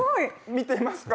見てますか？